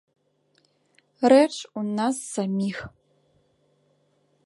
Рэч у нас саміх.